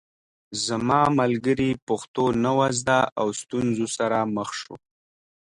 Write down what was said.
زما ملګري پښتو نه وه زده او ستونزو سره مخ شو